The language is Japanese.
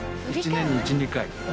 １年に１、２回。